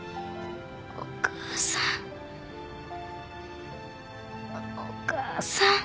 お母さんお母さん。